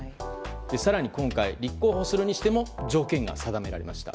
更に今回立候補するにしても条件が定められました。